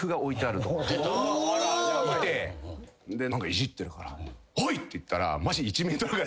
いじってるから「おい！」って言ったら。